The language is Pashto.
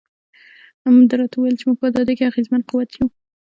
ده راته وویل چې موږ په ازادۍ کې اغېزمن قوت یو.